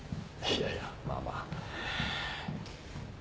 いやいやまあまあ。